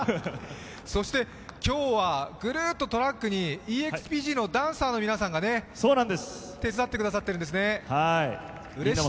そして今日は、ぐるっとトラックにＥＸＰＧのダンサーの皆さんが手伝ってくださっているんですね。